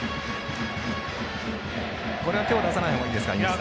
これは手を出さない方がいいですか、井口さん。